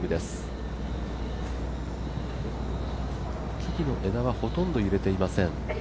木々の枝はほとんど揺れていません。